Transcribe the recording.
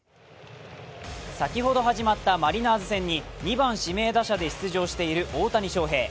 先ほど始まったマリナーズ戦に２番・指名打者で出場している大谷翔平。